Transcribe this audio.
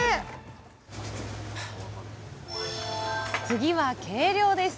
次は計量です。